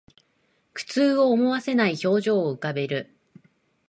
苦痛を思わせない表情を浮かべる